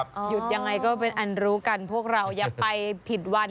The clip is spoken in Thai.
หยุดยังไงก็เป็นอันรู้กันพวกเราอย่าไปผิดวัน